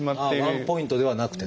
ワンポイントではなくて。